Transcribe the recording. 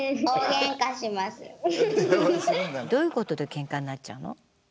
どういうことでケンカになっちゃうの？